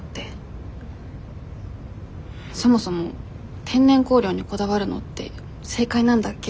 そもそも天然香料にこだわるのって正解なんだっけ？